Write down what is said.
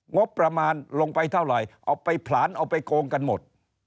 งบประมาณลงไปเท่าไหร่เอาไปผลานเอาไปโกงกันหมด